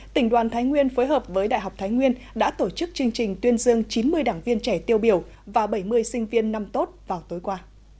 tỉnh đoàn thái nguyên phối hợp với đại học thái nguyên đã tổ chức chương trình tuyên dương chín mươi đảng viên trẻ tiêu biểu và bảy mươi sinh viên năm tốt vào tối qua